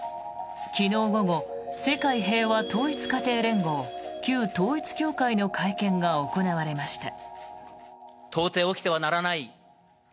昨日午後、世界平和統一家庭連合旧統一教会の会見が行われました。